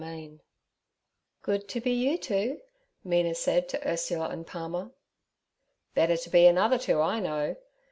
Chapter 12 'GOOD to be you two' Mina said to Ursula and Palmer. 'Better to be another two I know.'